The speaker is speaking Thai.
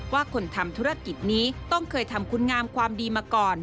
ว่าคนทำธุรกิจนี้ต้องเคยทำคุณงามความดีมาก่อน